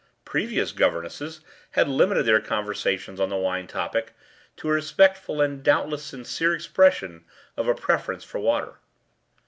Previous governesses had limited their conversation on the wine topic to a respectful and doubtless sincere expression of a preference for water.